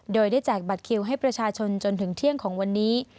โดยได้แจกบัตรคิวให้ประชาชนจนถึงเที่ยงของวันนี้